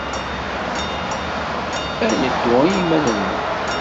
Ad neddu i yiman-nneɣ.